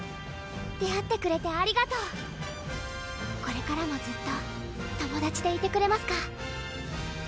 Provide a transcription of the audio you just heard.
出会ってくれてありがとうこれからもずっと友達でいてくれますか？